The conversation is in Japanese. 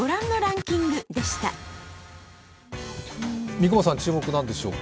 三雲さん、注目は何でしょうか？